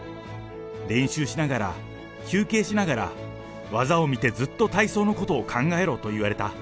練習しながら、休憩しながら、技を見てずっと体操のことを考えろと言われた。